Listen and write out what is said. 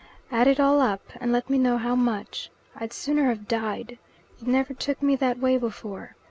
"Add it all up, and let me know how much. I'd sooner have died. It never took me that way before.